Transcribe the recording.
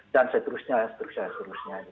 dan seterusnya seterusnya seterusnya